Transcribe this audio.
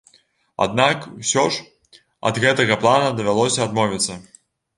Аднак усе ж ад гэтага плана давялося адмовіцца.